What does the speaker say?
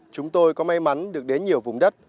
chúng tôi có may mắn được đến nhiều vùng đất